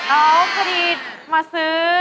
เอ้าพอดีมาซื้อ